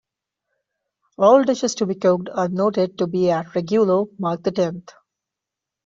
All dishes to be cooked are noted to be at "Regulo Mark the Tenth".